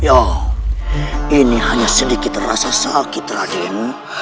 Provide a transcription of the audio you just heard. bian ini hanya sedikit rasa sakit raden